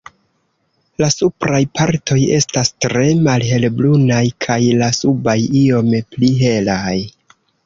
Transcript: La supraj partoj estas tre malhelbrunaj kaj la subaj iom pli helaj.